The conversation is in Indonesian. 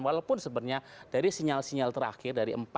walaupun sebenarnya dari sinyal sinyal terakhir dari empat